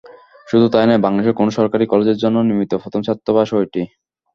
শুধু তাই নয়, বাংলাদেশের কোনো সরকারি কলেজের জন্য নির্মিত প্রথম ছাত্রাবাসও এটি।